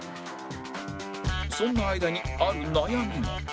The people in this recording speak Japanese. そんな相田にある悩みが